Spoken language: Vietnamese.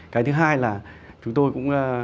cái thứ hai là chúng tôi cũng